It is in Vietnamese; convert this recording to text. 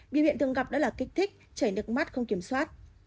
biểu hiện thường gặp đó là kích thích chảy nước mắt không kiểm soát